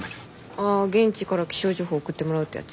ああ現地から気象情報送ってもらうってやつ？